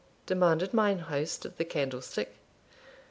demanded mine host of the Candlestick.